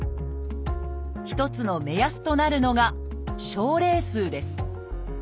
一つの目安となるのが症例数です。